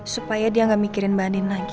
supaya dia nggak mikirin mbak andin lagi